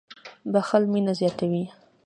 • بښل مینه زیاتوي.